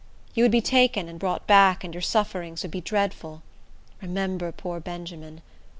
You would be taken and brought back, and your sufferings would be dreadful. Remember poor Benjamin.